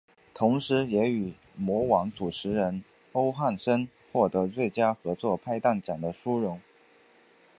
同时也与模王主持人欧汉声获得最佳合作拍档奖的殊荣。